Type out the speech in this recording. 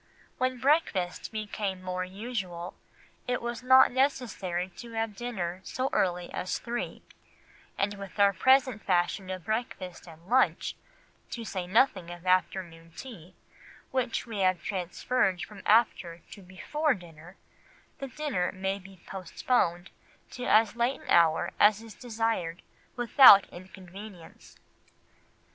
When breakfast became more usual, it was not necessary to have dinner so early as three; and with our present fashion of breakfast and lunch, to say nothing of afternoon tea, which we have transferred from after to before dinner, the dinner may be postponed to as late an hour as is desired without inconvenience.